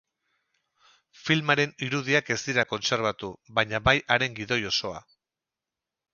Filmaren irudiak ez dira kontserbatu, baina bai haren gidoi osoa.